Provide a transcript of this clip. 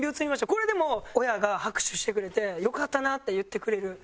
これでも親が拍手してくれて「よかったな」って言ってくれるぐらいになったんで。